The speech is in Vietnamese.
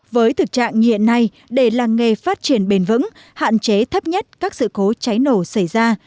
với thực trạng như hiện nay để làng nghề phát triển bền vững hạn chế thấp nhất các sự cố cháy nổ xảy ra